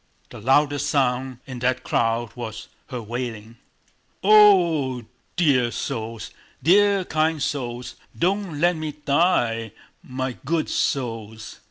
The loudest sound in that crowd was her wailing. "Oh h h! Dear souls, dear kind souls! Don't let me die! My good souls!..."